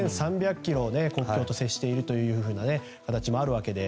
１３００ｋｍ国境と接しているという形もあるわけで。